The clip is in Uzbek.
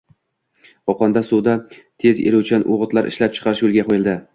Qo‘qondagi suvda tez eruvchan o‘g‘itlar ishlab chiqarish yo‘lga qo‘yildi